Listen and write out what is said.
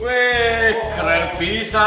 weh keren bisa